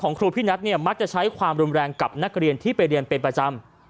ครูพี่นัทเนี่ยมักจะใช้ความรุนแรงกับนักเรียนที่ไปเรียนเป็นประจำ